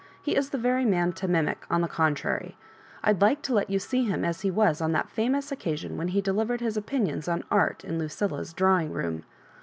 He is the very man to mimic, on the contrary. I'd like to let you see him as he was on that &mous occasion when he delivered his opinions on art in Lucilla's drawing room.